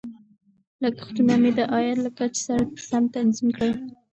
لګښتونه مې د عاید له کچې سره سم تنظیم کړل.